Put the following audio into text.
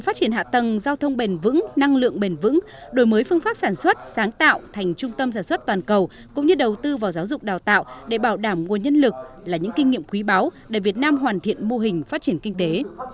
phát triển hạ tầng giao thông bền vững năng lượng bền vững đổi mới phương pháp sản xuất sáng tạo thành trung tâm sản xuất toàn cầu cũng như đầu tư vào giáo dục đào tạo để bảo đảm nguồn nhân lực là những kinh nghiệm quý báu để việt nam hoàn thiện mô hình phát triển kinh tế